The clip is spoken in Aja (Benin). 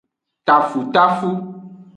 Tafutafu.